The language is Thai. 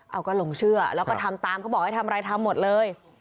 เอาก็หลงเชื่อแล้วก็ทำตามเขาบอกให้ทำอะไรทำหมดเลย